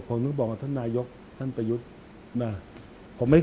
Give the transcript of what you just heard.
ผมถึงบอกท่านนายกท่านประยุทธ์